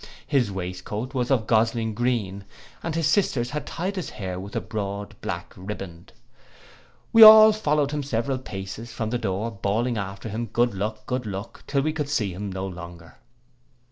His waistcoat was of gosling green, and his sisters had tied his hair with a broad black ribband. We all followed him several paces, from the door, bawling after him good luck, good luck, till we could see him no longer.